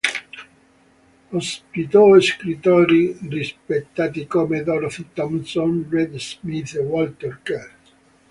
Ospitò scrittori rispettati come Dorothy Thompson, Red Smith, e Walter Kerr.